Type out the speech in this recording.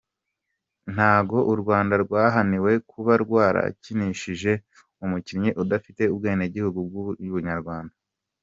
Ntago u Rwanda rwahaniwe kuba rwarakinishije umukinnyi udafite ubwenegihugu bw’Ubunyarwanda.